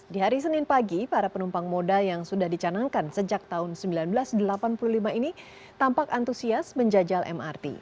di hari senin pagi para penumpang moda yang sudah dicanangkan sejak tahun seribu sembilan ratus delapan puluh lima ini tampak antusias menjajal mrt